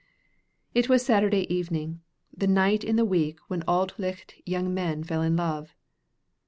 It was Saturday evening the night in the week when Auld Licht young men fell in love.